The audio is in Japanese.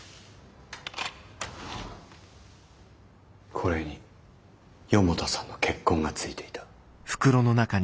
これに四方田さんの血痕が付いていた。